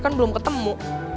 kan belum ketemu